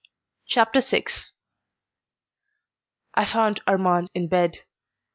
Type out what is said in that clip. Chapter VI I found Armand in bed.